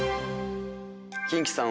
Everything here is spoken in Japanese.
キンキさん